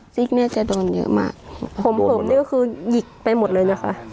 ซิกเนี้ยจะโดนเยอะมากผมผมเนี้ยก็คือหยิกไปหมดเลยเนี้ยค่ะ